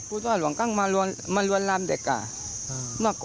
พูดว่าหลวงกั้งมาล้วนรำเด็กอะ